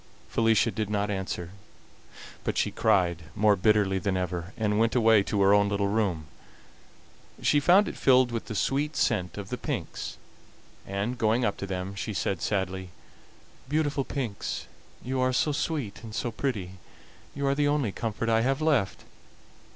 Felicia did not answer, but she cried more bitterly than ever, and went away to her own little room. She found it filled with the sweet scent of the pinks, and, going up to them, she said sadly: "Beautiful pinks, you are so sweet and so pretty, you are the only comfort I have left.